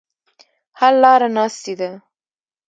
حل لاره ناستې دي.